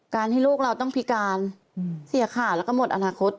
ให้ลูกเราต้องพิการเสียขาแล้วก็หมดอนาคต